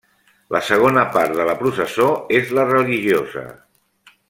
La segona part de la processó és la religiosa.